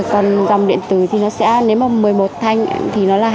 còn dòng điện tử thì nó sẽ nếu mà một mươi một thanh thì nó là hai nghìn bốn trăm chín mươi